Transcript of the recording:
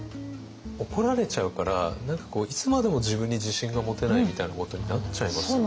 怒られちゃうから何かこういつまでも自分に自信が持てないみたいなことになっちゃいますよね。